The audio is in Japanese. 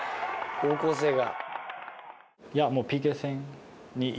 高校生は。